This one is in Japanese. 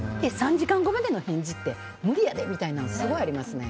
３時間後の返事って無理やでみたいなんすごいありますね。